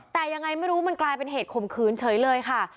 แต่ยังไงไม่รู้มันกลายเป็นเหตุข่มขืนเฉยเลยค่ะ